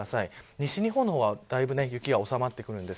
西日本の方はだいぶ雪が収まってきます。